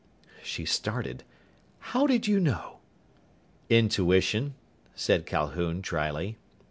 She started. "How did you know?" "Intuition," said Calhoun dryly.